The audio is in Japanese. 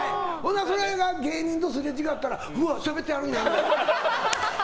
それが芸人とすれ違ったらうわ、しゃべってはるって。